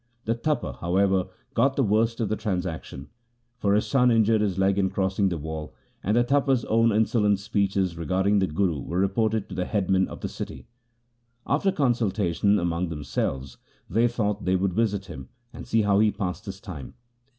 The Tapa, however, got the worst of the transaction, for his son injured his leg in crossing the wall, and the Tapa's own insolent speeches regarding the Guru were reported to the headmen of the city. After consultation among themselves they thought they would visit him, and see how he passed his time.